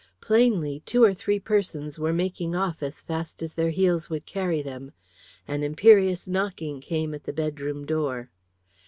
Plainly two or three persons were making off as fast as their heels would carry them. An imperious knocking came at the bedroom door.